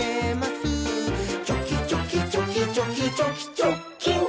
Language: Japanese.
「チョキチョキチョキチョキチョキチョッキン！」